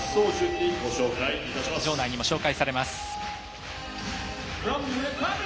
場内にも紹介されます。